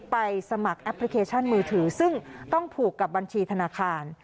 ไปสมัครแอปพลิเคชันมือถือซึ่งต้องผูกกับบัญชีธนาคาร